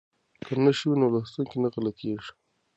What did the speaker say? که نښې وي نو لوستونکی نه غلطیږي.